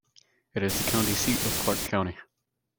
It is the county seat of Clarke County.